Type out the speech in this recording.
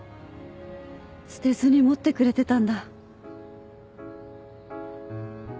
捨てずに持ってくれてたんだ。